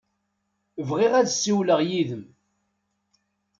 Bɣiɣ ad ssiwleɣ yid-m.